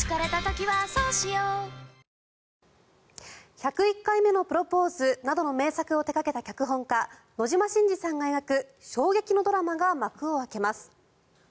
「１０１回目のプロポーズ」などの名作を手掛けた脚本家、野島伸司さんが描く衝撃のドラマが幕を開けます。